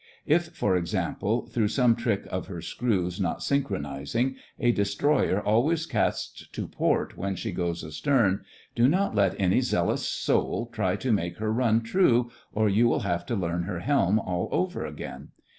If, for example, through some trick of her screws not synchronising, a de stroyer always casts to port when she goes astern, do not let any zealous soul try to make her run true, or you will have to learn her helm all over again.